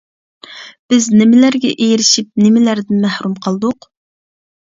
بىز نېمىلەرگە ئېرىشىپ، نېمىلەردىن مەھرۇم قالدۇق؟ !